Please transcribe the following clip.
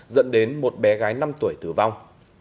dẫn đến một bé gái năm tuổi tử vong